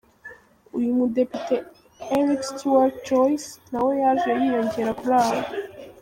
Uyu mudepite Eric Stuart Joyce na we yaje yiyongera kuri abo.